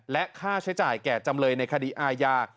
และค่าใช้จ่ายแก่จำเลยในคดีอาญา